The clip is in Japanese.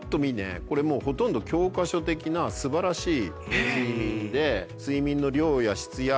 これもうほとんど教科書的な素晴らしい睡眠で。